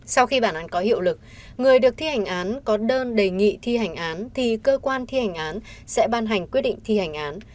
sau khi bản án có hiệu lực người được thi hành án có đơn đề nghị thi hành án thì cơ quan thi hành án sẽ ban hành quyết định thi hành án